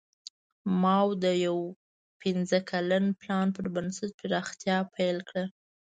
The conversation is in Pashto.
ماوو د یو پنځه کلن پلان پر بنسټ پراختیا پیل کړه.